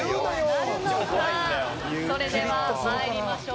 それでは参りましょう。